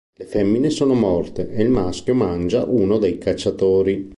Le femmine sono morte e il maschio mangia uno dei cacciatori.